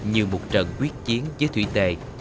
như một trận quyết chiến với thủy tề